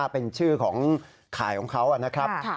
เป็นชื่อของข่ายของเขานะครับ